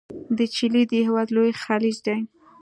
د چیلي د هیواد لوی خلیج دی.